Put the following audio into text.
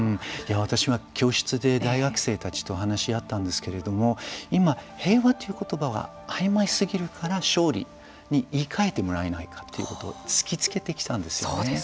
私は教室で大学生たちと話し合ったんですけれども今、平和という言葉はあいまい過ぎるから勝利に言いかえてもらえないかということを突きつけてきたんですよね。